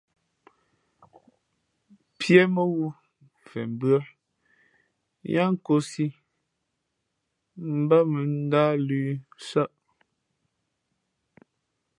Píé mά wū mfen mbʉ́ά yáá nkōsī mbát mᾱ ndáh lʉ̄ nsάʼ.